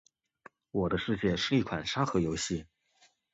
《我的世界》是一款沙盒游戏。